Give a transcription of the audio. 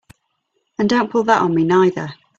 And don't pull that on me neither!